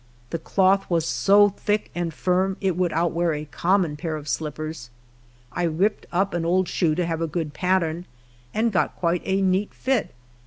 The cloth was so thick and iirm it would outwear a common pair of slippers. I ripped up an old shoe to have a good pattern, and got quite a neat fit.